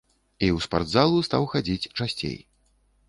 І ў спартзалу стаў хадзіць часцей.